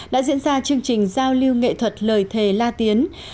đã diễn ra chương trình giao lưu nghệ thuật lời thề la tiến